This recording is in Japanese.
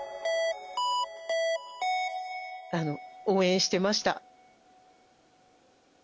応援してました。